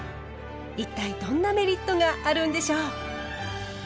一体どんなメリットがあるんでしょう？